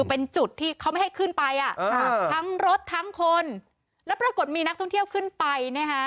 เป็นจุดที่เขาไม่ให้ขึ้นไปอ่ะค่ะทั้งรถทั้งคนแล้วปรากฏมีนักท่องเที่ยวขึ้นไปนะฮะ